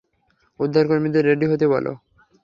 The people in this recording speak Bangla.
উদ্ধারকর্মীদের রেডি হতে বলো।